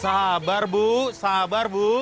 sabar bu sabar bu